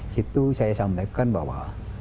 di indonesia saya sampaikan bahwa